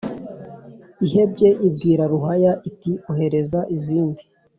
ihebye ibwira ruhaya iti «ohereza izindi,